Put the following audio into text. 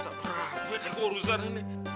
bisa berapa ini urusan ini